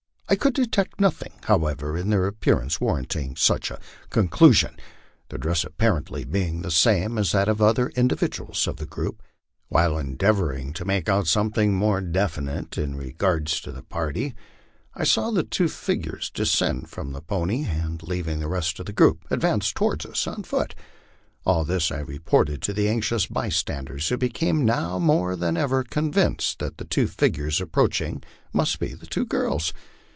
I could detect nothing, however, in their appearance warranting such a conclusion, their dress apparently being the same as that of the other individuals of the group. While endeavoring to make out something more definite in regard to the party, I saw the two figures de scend from the pony, and, leaving the rest of the group, advance toward us on foot. All this I repdrted to the anxious bystanders, who became now more than ever convinced that the two figures approaching must be the two girls.